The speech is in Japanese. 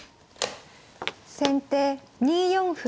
先手２四歩。